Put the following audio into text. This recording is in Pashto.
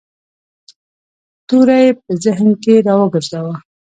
توری په ذهن کې را وګرځاوه.